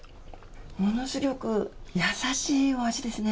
ものすぎょく、優しいお味ですね。